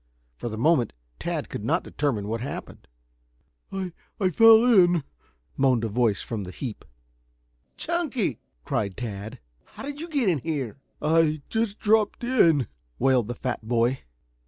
For the moment Tad could not determine what had happened. "I I fell in," moaned a voice from the heap. "Chunky!" cried Tad. "How did you get in here?" "I just dropped in," wailed the fat boy.